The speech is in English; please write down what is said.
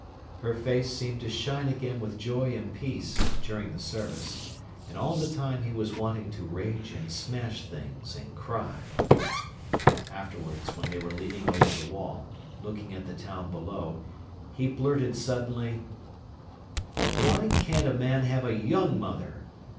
Her face seemed to shine again with joy and peace during the service. And all the time he was wanting to rage and smash things and cry. Afterwards, when they were leaning over the wall, looking at the town below, he blurted suddenly: "Why can't a man have a young mother?